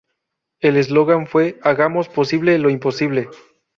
El eslogan fue "Hagamos posible lo imposible".